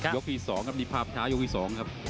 ยกที่สองครับดิภาพช้ายกที่สองครับ